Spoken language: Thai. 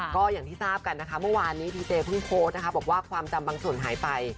ก็อย่างที่ทราบกันเมื่อวานพี่เตได้พึ่งโพสต์บอกว่าความจำบางส่วนหายไป